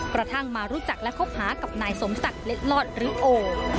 กระทั่งมารู้จักและคบหากับนายสมศักดิ์เล็ดลอดหรือโอ